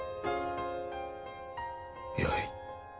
よい。